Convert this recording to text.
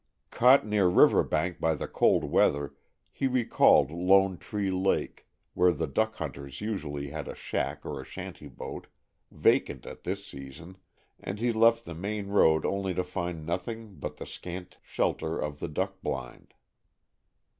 Caught near Riverbank by the cold weather, he recalled Lone Tree Lake, where the duck hunters usually had a shack or a shanty boat, vacant at this season, and he left the main road only to find nothing but the scant shelter of the duck blind.